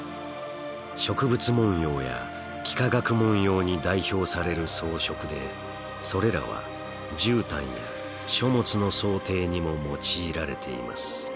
植物文様や幾何学文様に代表される装飾でそれらはじゅうたんや書物の装丁にも用いられています。